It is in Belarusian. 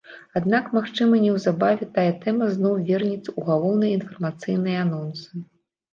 Аднак магчыма неўзабаве тая тэма зноў вернецца ў галоўныя інфармацыйныя анонсы.